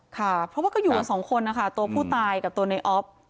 ค่ะเพราะว่าก็อยู่กันสองคนนะคะตัวผู้ตายกับตัวในออฟ